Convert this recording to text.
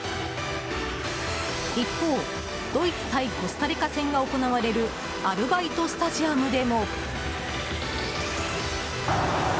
一方、ドイツ対コスタリカ戦が行われるアルバイト・スタジアムでも。